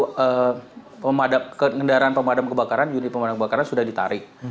kemendaraan pemadam kebakaran unit pemadam kebakaran sudah ditarik